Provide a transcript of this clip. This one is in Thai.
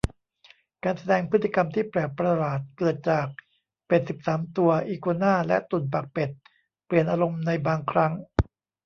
การแสดงพฤติกรรมที่แปลกประหลาด เกิดจาก เป็ดสิบสามตัว อีกัวน่า และตุ่นปากเป็ด เปลี่ยนอารมณ์ในบางครั้ง